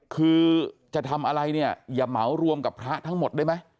คือจะทำอะไรเนี่ยอย่าเหมารวมกับพระทั้งหมดได้ไหม